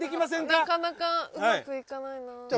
なかなかうまくいかないなぁ。